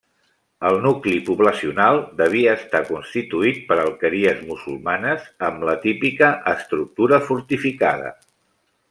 El nucli poblacional devia estar constituït per alqueries musulmanes amb la típica estructura fortificada.